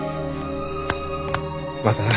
またな。